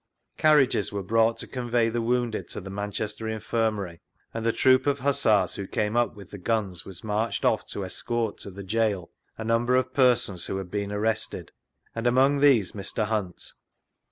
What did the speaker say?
Carriages were brought to convey the wounded to the Manchester Infirmary, and the troop of Hussars who came up with the guns was marched off to escort to the gaol a number of persons who had been arrested, and among these Mr. Hunt.